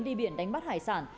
đi biển đánh bắt hải sản